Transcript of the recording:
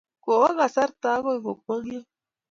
Kowok kasarta okoi kokwongyo.